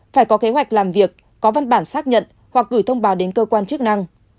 phải có kế hoạch làm việc có văn bản xác nhận hoặc gửi thông báo đến cơ quan chức năng